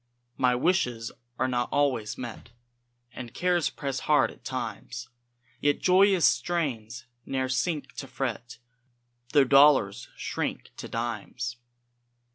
My wishes are not always met, And cares press hard at times; Yet joyous strains ne'er sink to fret, Tho' dollars shrink to dimes.